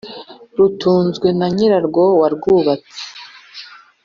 Rutunzwe na nyirarwo warwubatse